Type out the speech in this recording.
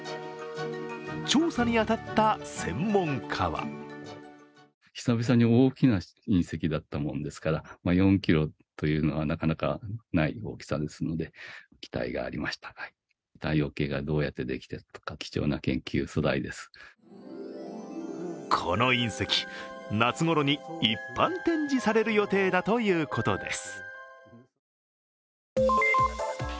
調査に当たった専門家はこの隕石、夏ごろに一般展示される予定だということです。